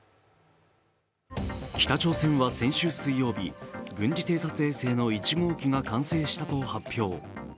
北朝鮮は先週水曜日軍事偵察衛星の１号機が完成したと発表。